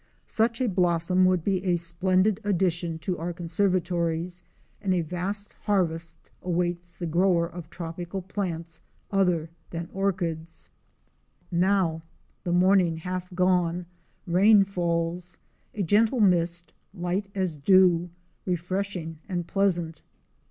Such a blossom would be a splendid addition A GOLD MINE IN THE WILDERNESS. 193 to our conservatories, and a vast harvest awaits the grower of tropical plants other than orchids. Now, the morning half gone, rain falls —a gentle mist, light as dew, refreshing and pleasant.